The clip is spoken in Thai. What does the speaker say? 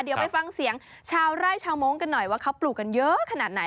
เดี๋ยวไปฟังเสียงชาวไร่ชาวโม้งกันหน่อยว่าเขาปลูกกันเยอะขนาดไหน